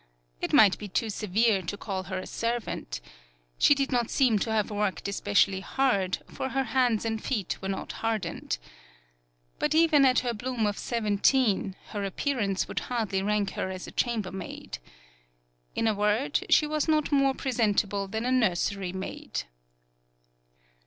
It might be too severe to call her a serv ant. She did not seem to have worked especially hard, for her hands and feet were not hardened. But even at her bloom of seventeen, her appearance would hardly rank her as a chamber maid. In a word, she was not more presentable than a nursery maid.